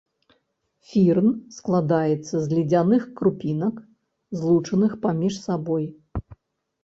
Фірн складаецца з ледзяных крупінак, злучаных паміж сабой.